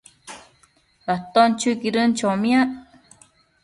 aton chuiquidën chomiac